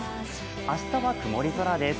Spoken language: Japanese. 明日は曇り空です。